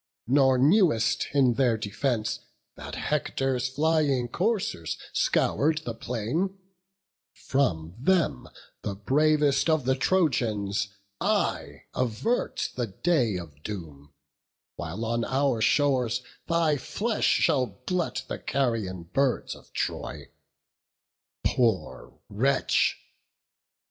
nor knew'st, in their defence, That Hector's flying coursers scour'd the plain; From them, the bravest of the Trojans, I Avert the day of doom; while on our shores Thy flesh shall glut the carrion birds of Troy. Poor wretch!